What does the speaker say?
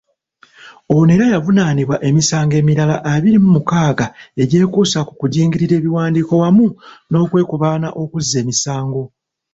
Ono era yavunaanibwa emisango emirala abiri mu mukaaga egyekuusa ku kujingirira ebiwandiiko wamu n'okwekobaana okuzza emisango.